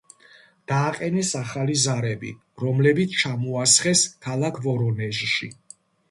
დააყენეს ახალი ზარები, რომლებიც ჩამოასხეს ქალაქ ვორონეჟში.